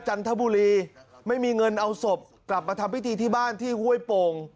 จันทบุรีไม่มีเงินเอาศพกลับมาทำพิธีที่บ้านที่ห้วยโป่ง